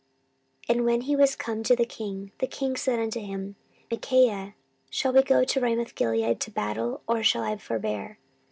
14:018:014 And when he was come to the king, the king said unto him, Micaiah, shall we go to Ramothgilead to battle, or shall I forbear?